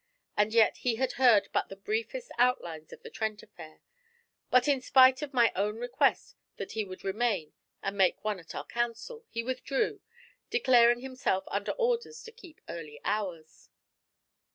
As yet he had heard but the briefest outlines of the Trent affair; but in spite of my own request that he would remain and make one at our councils, he withdrew, declaring himself under orders to keep early hours.